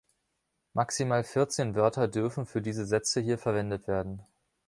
Maximal vierzehn Wörter dürfen für diese Sätze hier verwendet werden.